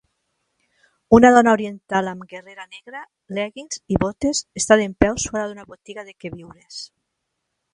Una dona oriental amb guerrera negra, leggings i botes, està dempeus fora d'una botiga de queviures.